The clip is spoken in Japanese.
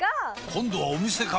今度はお店か！